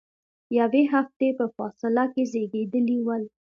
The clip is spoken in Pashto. یوې هفتې په فاصله کې زیږیدلي ول.